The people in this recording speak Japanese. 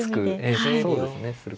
そうですねするか。